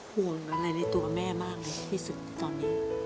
ห่วงอะไรในตัวแม่มากไหมที่สุดตอนนี้